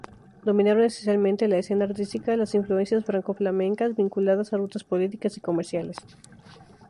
Dominaron esencialmente la escena artística las influencias franco-flamencas, vinculadas a rutas políticas y comerciales.